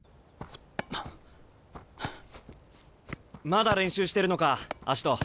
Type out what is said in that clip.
まだ練習してるのかアシト。